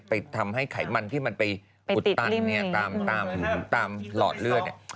ไปทำให้ไขมันที่เต็มตามหลอดเลือดแจ๊บพ้น